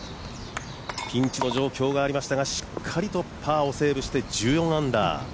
ピンチの状況がありましたがしっかりとパーをセーブして１４アンダー。